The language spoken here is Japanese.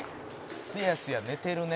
「“すやすやねてるね”